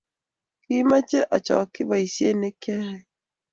Kimeche achokchi boisie ne kiayoe